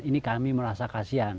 ini kami merasa kasihan